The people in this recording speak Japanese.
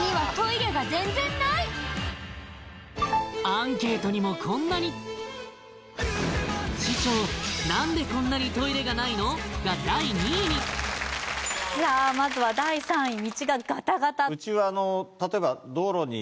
アンケートにもこんなに市長何でこんなにトイレがないの？が第２位にさあまずは第３位道がガタガタうちは例えば市民に